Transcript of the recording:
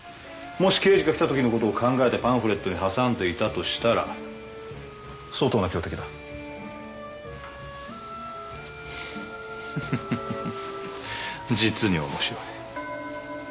もし刑事が来た時のことを考えてパンフレットに挟んでいたとしたら相当な強敵だフフフ実に面白い